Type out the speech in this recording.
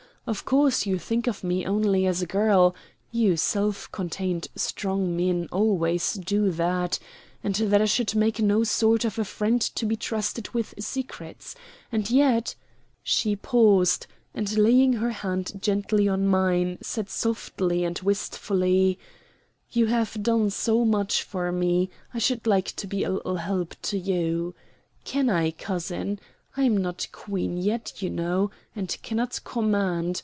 Of course you think of me only as a girl you self contained strong men always do that and that I should make no sort of a friend to be trusted with secrets. And yet " she paused, and laying her hand gently on mine said softly and wistfully, "you have done so much for me I should like to be a little help to you. Can I, cousin? I'm not Queen yet, you know, and cannot command.